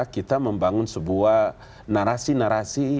kita membangun sebuah narasi narasi